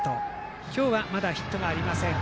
今日は、まだヒットがありません。